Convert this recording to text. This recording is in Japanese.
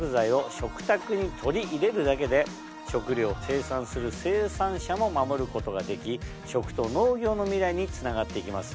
取り入れるだけで食料を生産する生産者も守ることができ食と農業の未来につながっていきます。